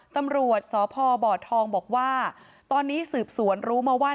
ตำรวจสพบทองบอกว่าตอนนี้สืบสวนรู้มาว่า